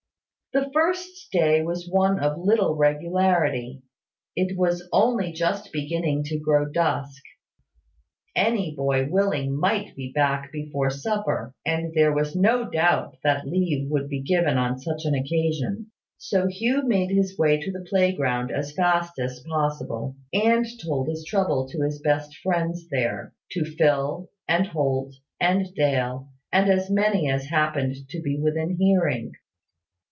The first day was one of little regularity; it was only just beginning so grow dusk; any willing boy might be back before supper; and there was no doubt that leave would be given on such an occasion. So Hugh made his way to the playground as fast as possible, and told his trouble to his best friends there, to Phil, and Holt, and Dale, and as many as happened to be within hearing.